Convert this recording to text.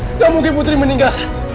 enggak mungkin putri meninggal